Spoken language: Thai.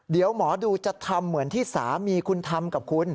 เดี๋ยวหมอดูจะทำเหมือนที่สามีคุณทำกับคุณ